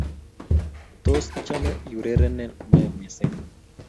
Tos, ichame iurereni nee missing?